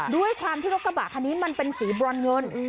ด้วยความที่รถกระบะคันนี้มันเป็นสีบรอนเงิน